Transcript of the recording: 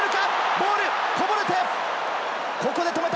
ボールがこぼれて、ここで止めた！